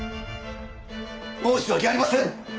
申し訳ありません！